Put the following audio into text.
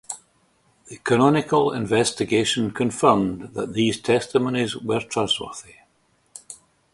The canonical investigation confirmed that these testimonies were trustworthy.